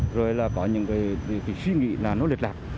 rồi là có những suy nghĩ là nó lịch lạc